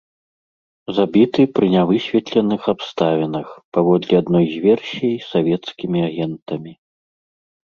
Забіты пры нявысветленых абставінах, паводле адной з версій, савецкімі агентамі.